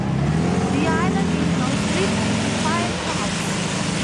The island is now split into five parts.